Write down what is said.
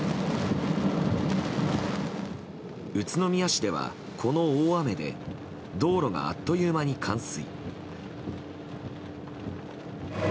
宇都宮市では、この大雨で道路があっという間に冠水。